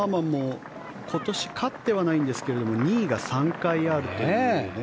ハーマンも今年、勝ってはいないんですが２位が３回あるというね。